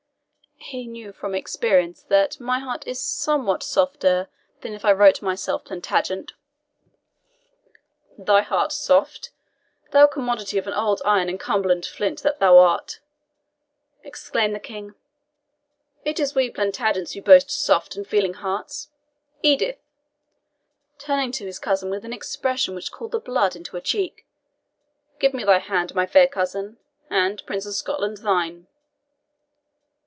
"He knew from experience that my heart is somewhat softer than if I wrote myself Plantagenet." "Thy heart soft? thou commodity of old iron and Cumberland flint, that thou art!" exclaimed the King. "It is we Plantagenets who boast soft and feeling hearts. Edith," turning to his cousin with an expression which called the blood into her cheek, "give me thy hand, my fair cousin, and, Prince of Scotland, thine."